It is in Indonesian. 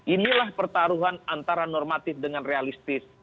inilah pertaruhan antara normatif dengan realistis